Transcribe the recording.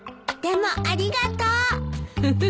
でもありがとう。